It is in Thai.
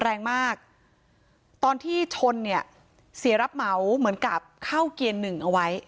แรงมากตอนที่ชนเนี่ยเสียรับเหมาเหมือนกับเข้าเกียร์หนึ่งเอาไว้